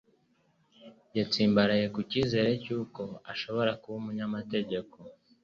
Yatsimbaraye ku cyizere cy'uko ashobora kuba umunyamategeko